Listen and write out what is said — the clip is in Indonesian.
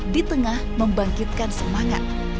di tengah membangkitkan semangat